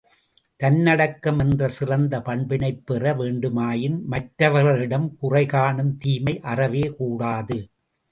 தன்னடக்கம் என்ற சிறந்த பண்பினைப்பெற வேண்டுமாயின் மற்றவர்களிடம் குறை காணும் தீமை அறவே கூடாது.